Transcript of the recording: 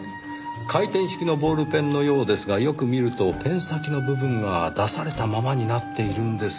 回転式のボールペンのようですがよく見るとペン先の部分が出されたままになっているんですよ。